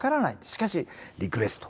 しかしリクエスト。